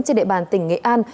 trên địa bàn tỉnh nghệ an